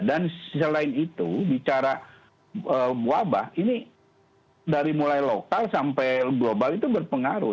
selain itu bicara wabah ini dari mulai lokal sampai global itu berpengaruh